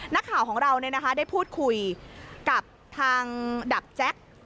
นักข่าวของเราได้พูดคุยกับทางดับแจ็ค